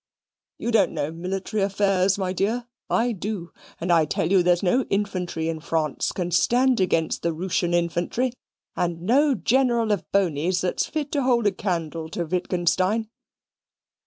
You don't know military affairs, my dear. I do, and I tell you there's no infantry in France can stand against Rooshian infantry, and no general of Boney's that's fit to hold a candle to Wittgenstein.